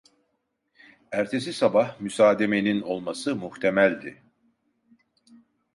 Ertesi sabah müsademenin olması muhtemeldi.